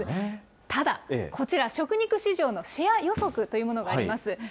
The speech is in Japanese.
ただ、こちら、食肉市場のシェア予測というものがあります。